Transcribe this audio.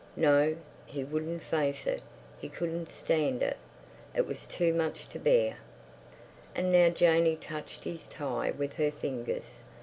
No, he wouldn't face it. He couldn't stand it. It was too much to bear! And now Janey touched his tie with her fingers.